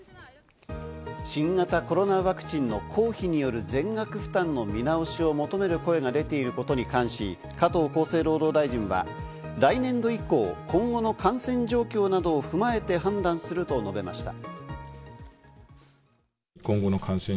新型コロナワクチンの公費による全額負担の見直しを求める声が出ていることに関し、加藤厚生労働大臣は来年度以降、今後の感染状況などを踏まえて判断すると述べました。